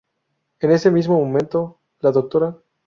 En ese mismo momento, la Dra.